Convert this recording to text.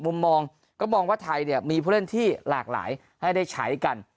มุมมองก็มองว่าไทยเนี่ยมีผู้เล่นที่หลากหลายให้ได้ใช้กัน